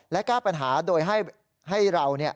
และแก้ปัญหาโดยให้เรา